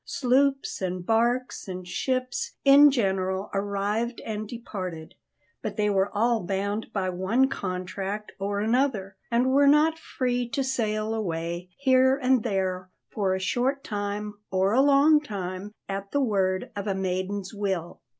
Sloops and barks and ships in general arrived and departed, but they were all bound by one contract or another, and were not free to sail away, here and there, for a short time or a long time, at the word of a maiden's will.